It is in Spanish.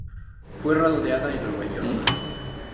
Fue rodada en Nueva York.